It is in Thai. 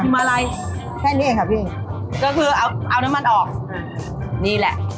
มาลัยแค่นี้เองค่ะพี่ก็คือเอาเอาน้ำมันออกนี่แหละ